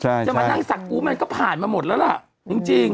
ใช่จะมานั่งสักกู๊มันก็ผ่านมาหมดแล้วล่ะจริง